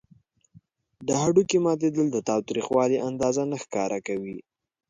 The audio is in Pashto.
د هډوکي ماتیدل د تاوتریخوالي اندازه نه ښکاره کوي.